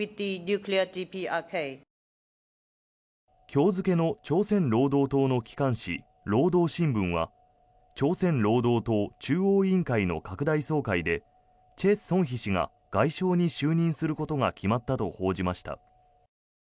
今日付の朝鮮労働党の機関紙労働新聞は朝鮮労働党中央委員会の拡大総会でチェ・ソンヒ氏が外相に就任することが決まったと報じました。